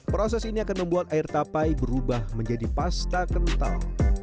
proses ini akan membuat air tapai berubah menjadi pasta kental